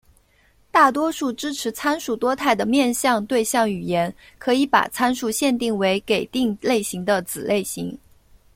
大多数支持参数多态的面向对象语言可以把参数限定为给定类型的子类型。